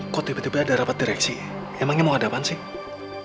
om rafiq kok tiba tiba ada rapat direksi emangnya mau ke depan sih